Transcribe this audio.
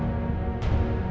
mau tahu siapa ibu kandungnya